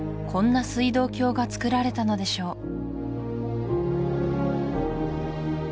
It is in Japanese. こんな水道橋が造られたのでしょう？